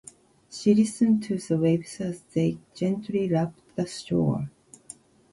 She listened to the waves as they gently lapped the shore.